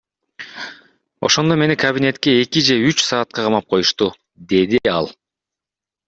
Ошондо мени кабинетке эки же үч саатка камап коюшту, — деди ал.